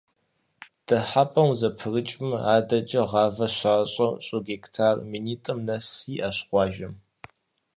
Дыхьэпӏэм узэпрыкӏмэ, адэкӏэ гъавэ щащӏэу щӏы гектар минитӏым нэс иӏэщ къуажэм.